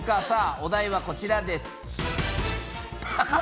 お題はこちらです。